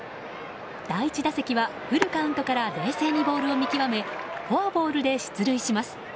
第１打席はフルカウントから冷静にボールを見極めフォアボールで出塁します。